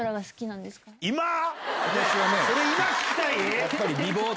それ今聞きたい？